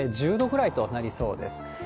１０度ぐらいとなりそうです。